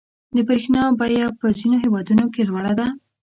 • د برېښنا بیه په ځینو هېوادونو کې لوړه ده.